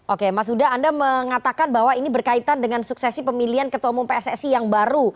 oke mas huda anda mengatakan bahwa ini berkaitan dengan suksesi pemilihan ketua umum pssi yang baru